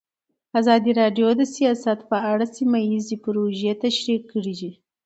ازادي راډیو د سیاست په اړه سیمه ییزې پروژې تشریح کړې.